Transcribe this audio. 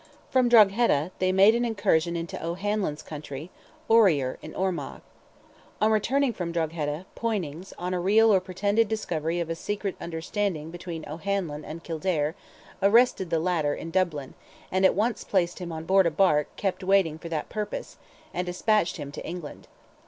From Drogheda, they made an incursion into O'Hanlon's country (Orior in Armagh). On returning from Drogheda, Poynings, on a real or pretended discovery of a secret understanding between O'Hanlon and Kildare, arrested the latter, in Dublin, and at once placed him on board a barque "kept waiting for that purpose," and despatched him to England.